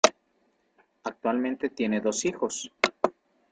Actualmente tiene dos hijos.